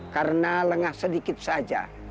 karena lengah sedikit saja